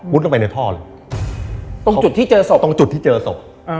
ลงไปในท่อเลยตรงจุดที่เจอศพตรงจุดที่เจอศพ